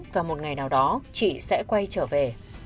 và một ngày nào đó chị sẽ quay trở về